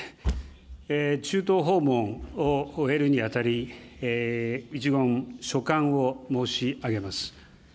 中東訪問を終えるにあたり、一言、所感を申し上げます。